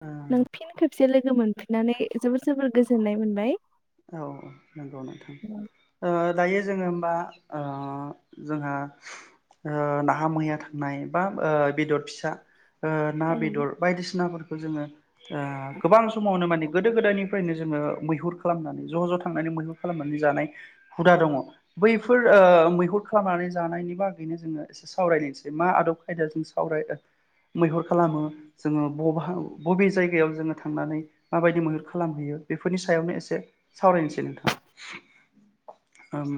औ नों फिन खेबसे लोगो मोनफिननानै जोबोर जोबोर गोजोननाय मोनबाय। औ औ नंगौ नोंथां ओ दायो जोङो ओमबा ओ जोंहा ओ नाहा मैया थांनाय बा ओ बेदर फिसा ओ ना औ बेदर बायदिसिनाफोरखौ खौ जोङो। ओ गोबां समावनो माने गोदो गोदायनिफ्रायनो जोङो मैहुरखौ खालामनानै ज'' ज' थांनानै मैहुर खालामनानै जानाय हुदा दङ। बैफोर ओ मैहुर खालामनानै जानायनि बागैनो जोङो एसे सावरायनोसै मा आदब खायदाया जों साव मैहुर खालामो जोङो ब बबे जायगायाव जोङो थांनानै माबायदि मैहुर खालामहैयो बेफोरनि सायावनो एसे दे सावरायनोसै नोंथां। ओम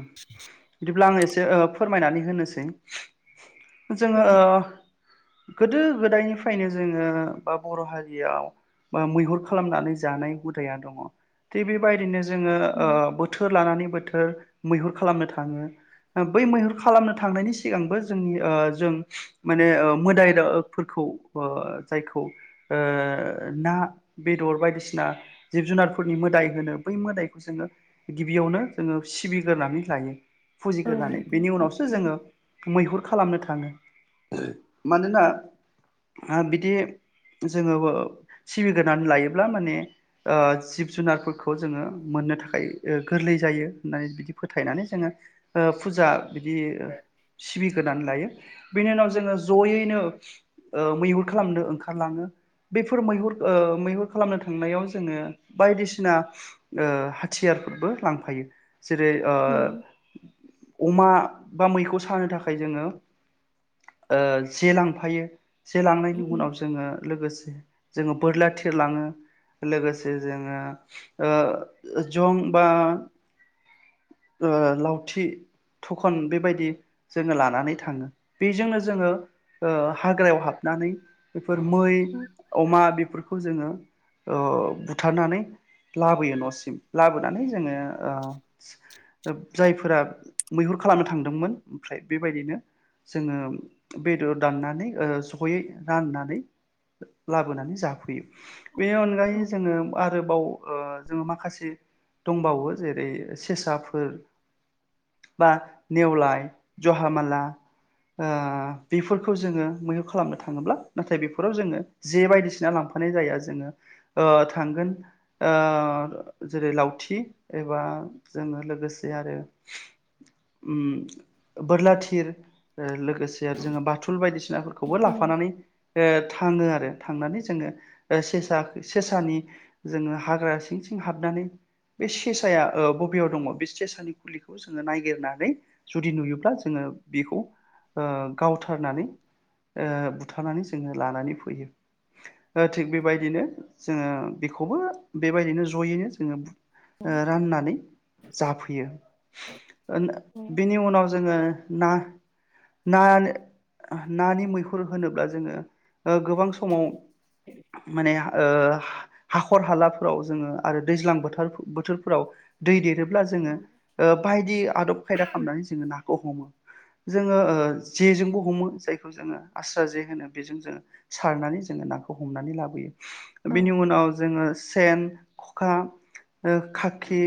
बिदिब्ला आं एसे ओ ओ फोरमायनानै होनोसै जोङो दे ओ गोदो गोदायनिफ्रायनो जोङो बा बर' हारियाव ब मैहुर खालामनानै जानाय हुदाया दङ। टि बेबायदिनो जोङो ओ नोंथां बोथोर लानानै बोथोर। मैहुर खालामनो थाङो, बै मैहुर खालामनो थांनायनि सिगांबो जोंनि ओ जों माने ओ मोदायफोरखौ ओ जायखौ, ओ ना बेदर बायदिसिना जिब जुनारफोर नि मोदाय होनो बै मोदायखौ जोङो गिबियावनो जोङो सिबिग्रोनानै लायो। फुजिग्रानै औ नंगौ बेनि नोंथां उनावसो जोङो मैहुर खालामनो थाङो मानोना आ बिदि जोङो सिबिग्रोना लायोब्ला माने ओ जिब जुनारफोरखौ जोङो मोननो थाखाय गोरलै जायो होननानै बिदि फोथायनानै जोङो ओ फुजा बिदि सिबिग्रोनानै लायो। बेनि उनाव जोङो जयैनो ओ मैहुर खालामनो ओंखारलाङो बेफोर मैहुर ओ मैहुर खालामनो थांनायाव जोङो बायदिसिना ओ हाथियारफोरबो लांफायो। जेरै ओ। उम औ अमा बा मैखौ सानो थाखाय जोङो ओ जे लांफायो। जे लांनायनि उनाव जोङो लोगोसे जोङो बोरला थिरलाङो लोगोसे जोङो ओ जं बा ओ लावथि थखन बेबायदि जोङो लानानै थाङो बेजोंनो जोङो ओ हाग्रायाव हाब नानै बेफोर मै अमा बेफोरखौ खौ जोङो ओ बुथारनानै लाबोयो न'सिम लाबोनानै जोङो ओ [unintelligible] जायफोरा मैहुर खालामनो थांदोंमोन। ओमफ्राय बेबायदिनो जोङो बेदर दाननानै जयै राननानै लाबोनानै जाफैयो। बेनि औ अनगायै जोङो आरोबाव जोो माखासे दंबावो जेरै सेसाफोर, बा नेवलाय, जहामाला ओ बेफोरखौ जोङो मैह्य खालामनो थाङोब्ला नाथाय बेफोराव जोङो जे बायदिसिना लांफानाय जायो जोङो ओ थांगोन जेरै लावथि एबा जोङो लोगोसे आरो बोरलाथिर ओ लो गो लोगोसे आरो जोङो बाथल बायदिसिनाफोरखौबो औ लाफानानै ओ थाङो आरो थांनानै जोङो सेसा सेसानि जोङो हाग्रा सिं सिं हाबनानै बे सेसाया ओ याव दङ बे सेसानि खुलिखौ जोङो ननायागिरनानै जुदि नुयोब्ला जोङो बेखौ ओ गावथारनानै ओ बुथारनानै जोङो लानानै फैयो ओ थिग बेबायदिनो जोङो बेखौबो बेबायदिनो जयैनो जोङो ओ राननानै जाफैयो। ओ बिनि उनाव जोङो। ना ना नानि मैहुर होनोब्ला जोङो ओ गोबां समाव माने हाखर हालाफोराव जोङो आरो दैजां बोथाव देरो ब्ला जोङो ओ बायदि आदब खायदा खालामनानै जोङो ना हमो। जोङो ओ जेजोंबो हमो, जायखौ जोङो आस्रा जे होनो बेजों जोङो सारनानै जोङो नाखौ हमनानै लाबोयो बेनि उनाव जोङो सेन, खखा, ओ खाखि।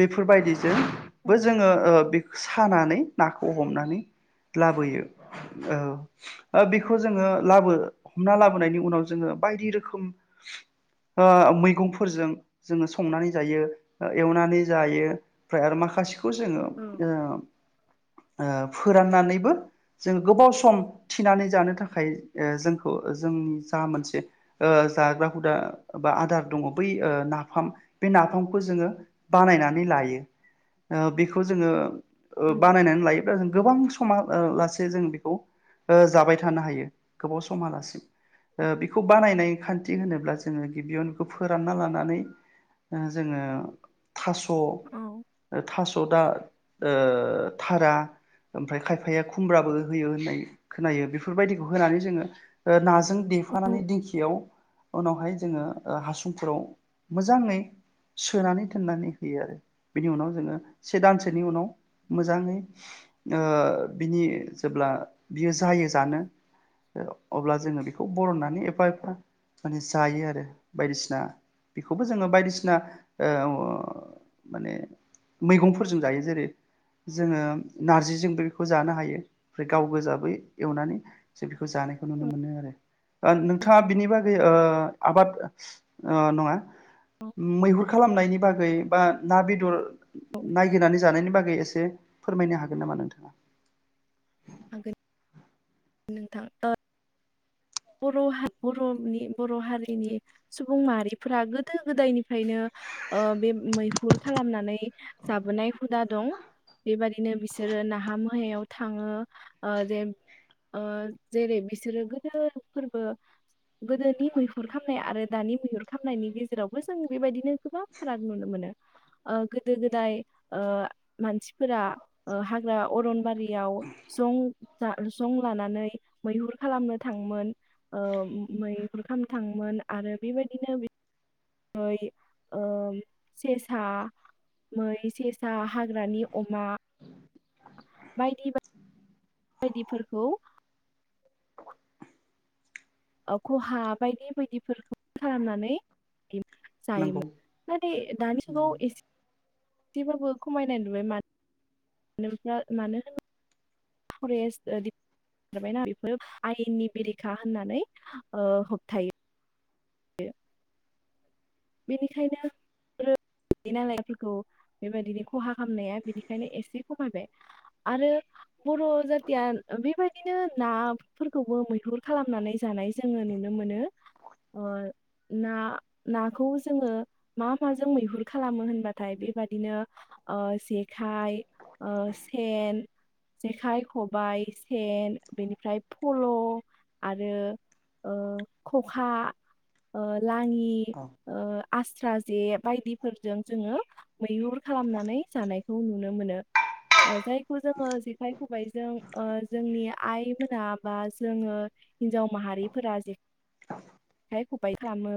बेफोरबायदि बो जोङो [unintelligible] सानानै नाखौ हमनानै लाबोयो ओ ओ बेखौ जोङो लाबो हमना लाबोनायनि उनाव जोङो बायदि रोखोम। ओ मैगंफोरजों जोङो संनानै जायो एवनानै जायो ओमफ्राय आरो माखासे खौ जोङो। औ ओ फोराननानैबो जों गोबाव सम थिनानै जानो थाखाय ओ जोंखौ जों जा मोनसे ओ जाग्रा हुदा बा आदार दङ' बै ओ नाफाम बे नाफामखौ जोङो बानायनानै लायो। ओ बेखौ जोङो ओ औ बानायनानै लायोब्ला जों गोबां सम समा ओ लासे जों बेखौ ओ जाबाय थानो हायो गोबाव समालासिम। ओ बेखौ बानायनाय खान्थि होनोब्ला जोङो गिबियावनो बेखौ फोरानना लानानै ओ जोङो थास' ओ थास' दा ओ थारा ओमफ्राय खायफाया खुमब्राबो होयो होननाय खोनायो बेफोरबायदिखौ होनानै जोङो ओ नाजों जों देफानानै औ दिंखियाव उनावहाय जोङो ओ हासुंफोराव मोजाङै सोनानै थोन्नानै होयो आरो बिनि उनाव जोङो से दानसेनि उनाव मोजाङै ओ बिनि जेब्ला बियो जायो जानो अब्ला जोङो बेखौ बरननानै एफा एफा माने जायो आरो बायदिसिना बेखौबो जोङो बायदिसिना ओ अ माने मैगंफोरजों जायो जेरै जोङो नारजिजोंबो बेखौ जानो हायो ओमफ्राय गाव गोजा बै एवनानै जों बेखौ जानायखौ नुनो मोनो आरो ओ नोंथाङा बिनि बागै ओ आबाद नङा मैहुर खालामनायनि बागै गै बा ना बेदर नायगिरनानै जानायनि बागै एसे फोरमायनो हागोन नामा नोंथाङा? हागोन। नोंथां [unintelligible] बर' हारि बर'नि बर' हारिनि सुबुं माहारिफोरा गोदो गोदायनिफ्रायनो ओ बे मैहुर खालामनानै जाबोनाय हुदा दं बेबादिनो बिसोरो नाहा मोहायाव थाङो ओ जे ओ जेरै बिसोरो गोदोफोरबो गोदोनि मैहुर खामनाय आरो दानि मैहुर खामनायनि गेजेरावबो जों बेबायदिनो गोबां फाराग नुनो मोनो ओ गोदो गोदाय ओ मानसिफोरा ओ हाग्रा अरनबारियाव जं जं लानानै मैहुर खालामनो थाङोमोन ओ मै-मैहुर खालामनो थाङोमोन आरो बेबायदिनो यै यै सेसा मै सेसा हाग्रानि अमा बायदि बायदि बायदिफोरखौ ओ खहा बायदि बायदिफोरखौ खालामनानै दि जायो नंगौ माने दानि जुगाव एसे जेबाबो खमायनाय नुबाय मानो [unintelligible] मानो होन फरेस्ट ओ दि [unintelligible] मेन्टआ बेफोर आयेननि बेरेखा होननानै ओ होबथायो। बेनिखायनो [unintelligible] नालायफोरखौ बेबायदिनो खहा खालामनाया बेनिखायनो एसे खमायबाय आरो बर' जातिया ओ बेबायदिनो नाफोरखौबो मैहुर खालामनानै जानाय जोङो नुनो मोनो अ ना -ना खौ जोङो मा माजों मैहुर खालामो होनबाथाय बेबादिनो ओ जेखाइ ओ सेन जेखाइ खबाइ सेन बेनिफ्राय पल' आरो ओ ख'खा ओ लांयि औ ओ आस्रा ए जे बायदिफोरजों जोङो मैहुर खालामनानै जानाय खौ नुनो मोनो ओ जायखौ जोङो जेखाइ खबाइजों ओ जोंनि आइ मोना बा जोङो हिनजाव माहारि बोला जे खबाय फ्रामो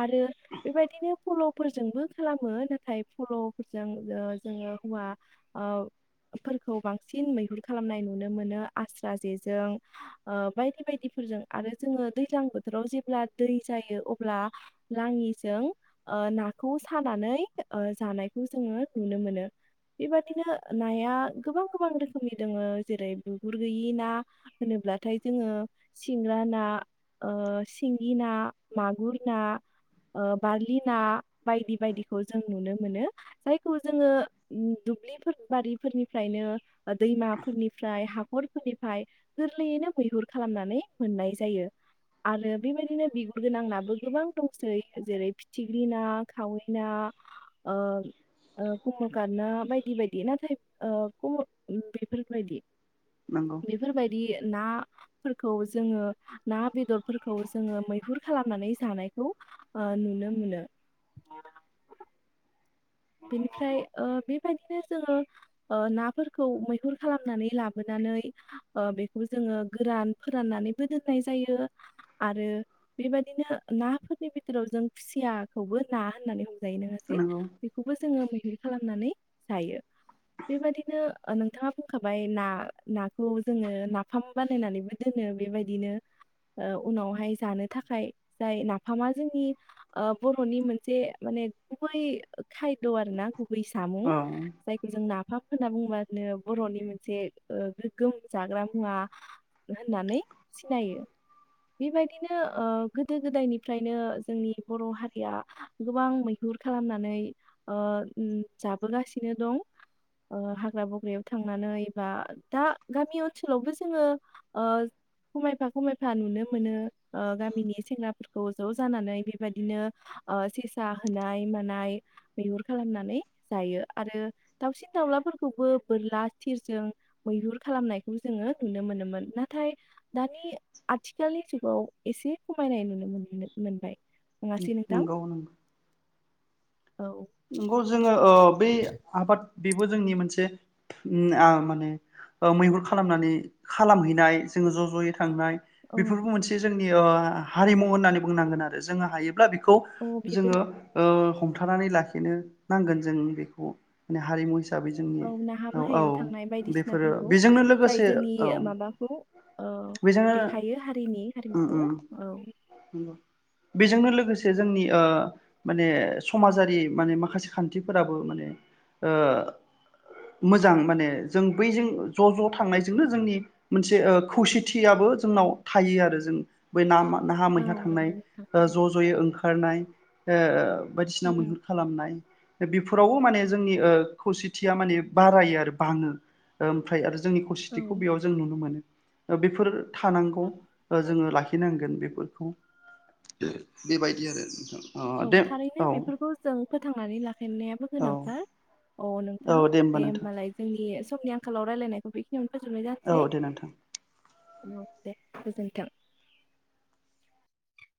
आरो बेबायदिनो फल'फोरजोंबो खालामो नाथाय फल'फोरजों ओ जोङो हुवा ओ फोरखौ बांसिन मैहुर खालामनाय नुनो मोनो आस्रा जेजों ओ बायदि बायदिफोरजों आरो जोङो दैज्लां बोथोराव जेब्ला दै जायो अब्ला लाङिजों ओ नाखौ सानानै ओ जानायखौ जोङो नुनो मोनो बेबादिनो नाया गोबां गोबां रोखोमनि दोङो जेरै बुगुर गैयि ना होनोब्लाथाय जोङो सिंग्रा ना ओ सिंगि ना मागुर ना ओ बारलि ना बायदि बायदिखौ जों नुनो मोनो जायखौ जोङो उम दुब्लिफोर बारिफोरनिफ्रायनो ओ दैमाफोरनिफ्राय हा हरफोरनिफ्राय गोरलैयैनो मैहुर खालामनानै मोननाय जायो आरो बेबायदिनो बिगुर गोनां नाबो गोबां दंसै जेरै फिथिख्रि ना खावै ना ओ ओ कमलखाथ ना बायदि बायदि नाथाय ओ कमल बेफोरबायदि नंगौ बेफोरबायदि ना फोरखौ जोङो ना बेदरफोरखौ जोङो मैहुर खालामनानै जानाय खौ ओ नुनो मोनो [inaudible] बेनिफ्राय ओ बेबादिनो जोङो ओ नाफोरखौ मैहुर खालामनानै लाबोनानै ओ बेखौ जों गोरान फोराननानैबो दोननाय जायो आरो बेबादिनो ना फोरनि बिथोराव खुसियाखौबो ना होन्नानै हम नंगौ [unintelligible] जोङो मैग्लि खालामनानै जायो बेबायदिनो नोंथाङा बुंखाबाय ना नाखौ जोङो नाफाम बानायनानैबो दोनो बेबायदिनो ओ उनावहाय जानो थाखाय जाय नाफामा जोंनि बर'नि मोनसे माने गुबै खायद' आरो ना गुबै सामुं औ जायखौ जों नाफाम होनना बुङोबानो बर'नि मोनसे ओ गोग्गोम जाग्रा मुवा होननानै सिनायो बेबायदिनो ओ गोदो- गोदायनिफ्रायनो जों ओ उम जाबोगासिनो दं ओ हाग्रा बंग्रायाव थांनानै बा दा गामियाव ओनसोलावबो जोङो ओ ख'मायफा ख'मायफा नुनो मोनो ओ गामिनि सेंग्राफोरखौ ज' जानानै बेबादिनो ओ सेसा होनाय मानाय मैहुर खालामनानै जायो आरो दावसिन दाउलाफोरखौबो बोरला थिरजों मैहुर खालामनायखौ जोङो नुनो मोनोमोन नाथाय दानि आथिखालनि जुगाव एसे खमायनाय नुनो मोनबाय नङासै नोंथां? नंगौ नंगौ औ नंगौ जोङो ओ बै आबाद बेबो जोंनि मोनसे उमओ उम माने मैहुर खालामनानै खालामहैनाय जोङो ज' ज'यै थांनाय औ बेफोरबो मोनसे जों नि ओ हारिमु होन्नानै बुंनांगोन आरो जोङो हायोब्ला बे खौ औ बेबो जोङो ओ थानानै लाखि बेनो नांगोन जों बेखौ माने हारिमु हिसा औ नाहा माहायाव थांनाय बेफोरो बायदिसिनाफोरखौ बेजोंनो जाय लोगोसे जोंनि औ माबाखौ ओ बेजोंनो देखायो हारिनि उम हारिमुखौ उम औ नंगौ बेजोंनो लोगोसे जोंनि ओ माने समाजारि माने माखासे खान्थिफोराबो ओ मोजां माने जों बैजों ज' ज' थांनायजोंनो जोंनि मोनसे खौसेथियाबो जोंनाव थायो आरो जों बै ना मा नाहा औ मैहा थांनाय नंगौ ओ ज' ज'यै ओंखारनाय [unintelligible] बायदिसिना उम मैहुर नाय बिफोरावबो माने जोंनि ओ खौसेथिया माने बारायो आरो बाङो उमफ्राय आरो जोंनि औ खौसेथिखौ बेयाव जों नुनो मोनो। बेफोर थानांगौ जोङो लाखिनांगोन बेफोरखौ बेबायदि आरो नोंथां अ औ दे थारैनो औ बेफोरखौ जों फोथांनानै लाखिनायाबो औ गोनांथार औ नोंथां दे होमबालाय जोंनि समनि आंखालाव रायलायनायखौ बे [unintelligible] फोजोबनाय औ जानसै दे नोंथां औ दे गोजोनथों